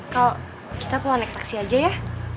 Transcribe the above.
kal kita pulang naik taksi aja ya